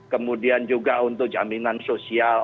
kemudian juga untuk jaminan sosial